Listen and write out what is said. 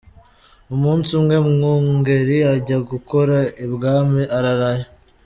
Umunsi umwe Mwungeri ajya gukora ibwami ararayo.